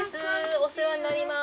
お世話になります。